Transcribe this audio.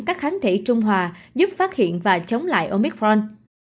các kháng thể trung hòa giúp phát hiện và chống lại omicron